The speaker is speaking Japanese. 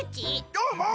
どーもっ！